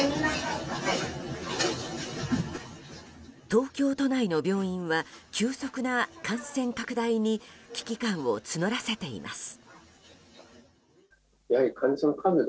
東京都内の病院は急速な感染拡大に危機感を募らせています。